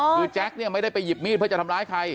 คือแจ๊คเนี่ยไม่ได้ไปหยิบมีดเพื่อจะทำร้ายใคร